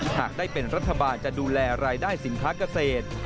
หากได้เป็นรัฐบาลจะดูแลรายได้สินค้าเกษตร